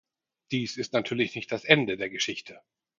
Dies ist natürlich nicht das Ende der Geschichte.